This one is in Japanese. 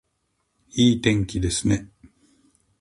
いい天気ですね